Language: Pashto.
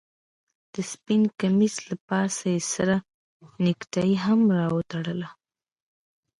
د سپين کميس له پاسه يې سره نيكټايي هم راوتړله.